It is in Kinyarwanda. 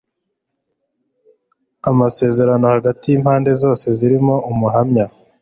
Amasezerano hagati yimpande zose zirimo Umuhamya